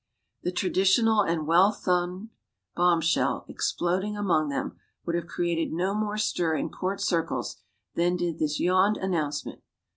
The traditional and well thumbed bombshell ex ploding among them would have created no more stir in court circles than did this yawned announcement.